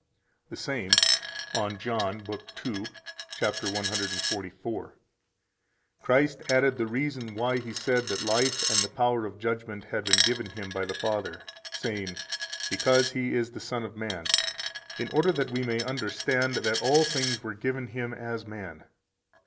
120 The same, on John, lib. 2, cap. 144 (t. 1, p. 134 [t. 4, ed. Paris, 1638 ): "Christ added the reason why He said that life and the power of judgment had been given Him by the Father, saying, Because He is the Son of Man, in order that we may understand that all things were given Him as man.